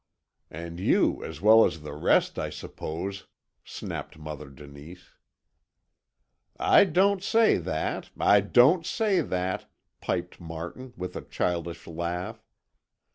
"And you as well as the rest, I suppose," snapped Mother Denise. "I don't say that I don't say that," piped Martin, with a childish laugh.